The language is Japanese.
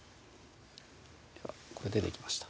これでできました